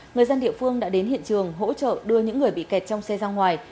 người dân địa phương đã đến hiện trường hỗ trợ đưa những người bị kẹt trong xe ra ngoài